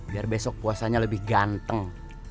biar besok puasanya lebih ganteng